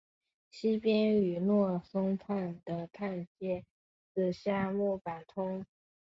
西边与若松町的町界是夏目坂通。